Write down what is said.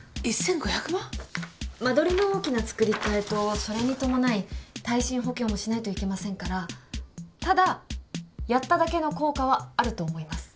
間取りの大きな造り替えとそれに伴い耐震補強もしないといけませんからただやっただけの効果はあると思います。